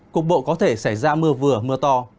cục bộ có thể xảy ra mưa vừa mưa to